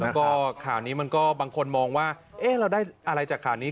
แล้วก็ข่าวนี้มันก็บางคนมองว่าเราได้อะไรจากข่าวนี้